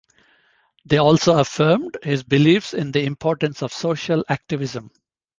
They also affirmed his beliefs in the importance of social activism.